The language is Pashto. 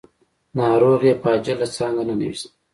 ناروغ يې په عاجله څانګه ننوېست.